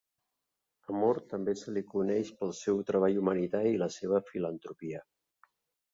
A Moore també se'l coneix pel seu treball humanitari i la seva filantropia.